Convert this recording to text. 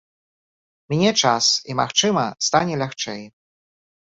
Міне час і, магчыма, стане лягчэй.